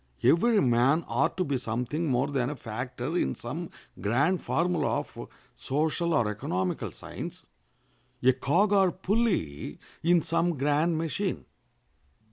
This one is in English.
Every man ought to be something more than a factor in some grand formula of social or economical science, a cog or pulley in some grand machine.